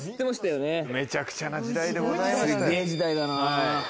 めちゃくちゃな時代でございました。